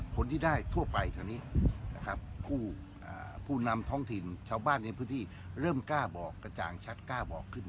คนที่ได้ทั่วไปตอนนี้นะครับผู้นำท้องถิ่นชาวบ้านในพื้นที่เริ่มกล้าบอกกระจ่างชัดกล้าบอกขึ้น